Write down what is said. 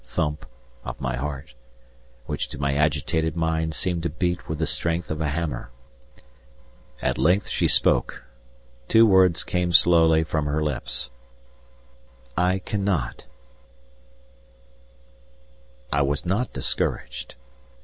thump! of my heart, which to my agitated mind seemed to beat with the strength of a hammer. At length she spoke; two words came slowly from her lips: "I cannot." I was not discouraged.